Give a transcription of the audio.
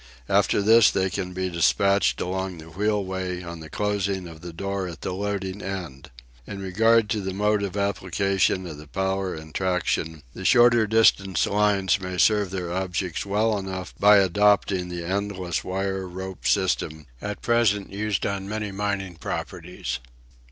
After this they can be despatched along the "wheelway" on the closing of the door at the loading end. In regard to the mode of application of the power in traction, the shorter distance lines may serve their objects well enough by adopting the endless wire rope system at present used on many mining properties.